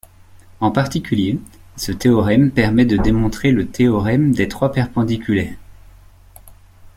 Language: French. En particulier, ce théorème permet de démontrer le théorème des trois perpendiculaires.